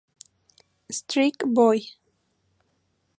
Strike Boy